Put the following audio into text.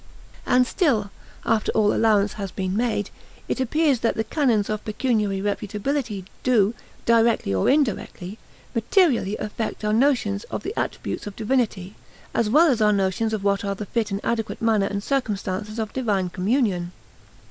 And still, after all allowance has been made, it appears that the canons of pecuniary reputability do, directly or indirectly, materially affect our notions of the attributes of divinity, as well as our notions of what are the fit and adequate manner and circumstances of divine communion.